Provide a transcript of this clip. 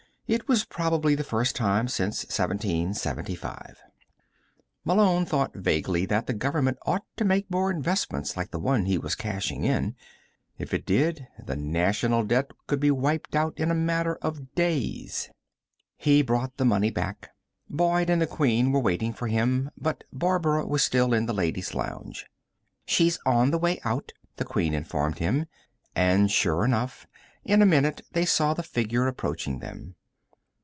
It was probably the first time since 1775. Malone thought vaguely that the Government ought to make more investments like the one he was cashing in. If it did, the National Debt could be wiped out in a matter of days. He brought the money back. Boyd and the Queen were waiting for him, but Barbara was still in the ladies' lounge. "She's on the way out," the Queen informed him, and, sure enough, in a minute they saw the figure approaching them.